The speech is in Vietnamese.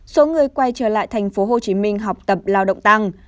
số người quay trở lại thành phố hồ chí minh học tập lao động tăng